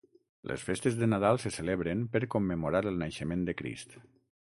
Les festes de Nadal se celebren per commemorar el naixement de Crist.